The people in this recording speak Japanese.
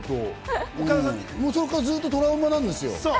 それからずっとトラウマなんですよ。